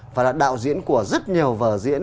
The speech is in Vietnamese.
và là đạo diễn của rất nhiều vở diễn